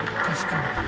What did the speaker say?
確かに。